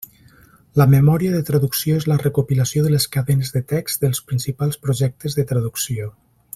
La memòria de traducció és la recopilació de les cadenes de text dels principals projectes de traducció.